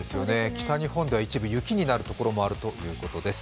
北日本では一部雪になるところもあるということです。